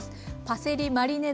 パセリマリネ